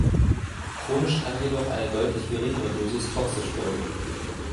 Chronisch kann jedoch eine deutlich geringere Dosis toxisch wirken.